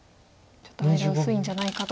ちょっと間薄いんじゃないかと。